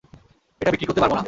এটা বিক্রি করতে পারব না।